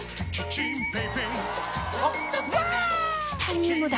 チタニウムだ！